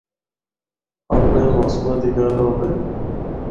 اپڑیاں موسماں دی گلا ہوے۔